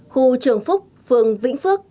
khu trường phúc phường vĩnh phước